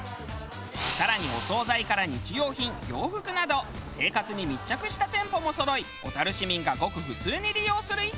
更にお総菜から日用品洋服など生活に密着した店舗もそろい小樽市民がごく普通に利用する市場なのです。